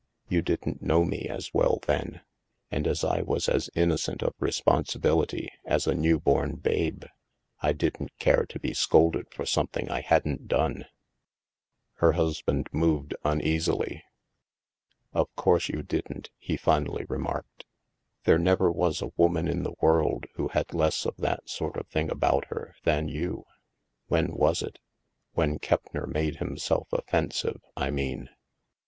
You didn't know me as well then. And as I was as innocent of re sponsibility as a new born babe, I didn't care to be scolded for something I hadn't done." Her husband moved uneasily. 300 THE MASK "Of course you didn't/' he finally remarked. " There never was a woman in the world who had less of that sort of thing about her, than you — When was it? When Keppner made himself offen sive, I mean."